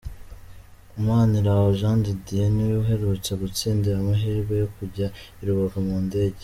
Maniraho Jean de Dieu niwe uherutse gutsindira amahirwe yo kujya i Rubavu mu ndege.